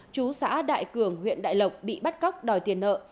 chú xã đại cường huyện đại lộc bị bắt cóc đòi tiền nợ